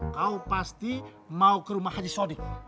kau pasti mau ke rumah haji sodik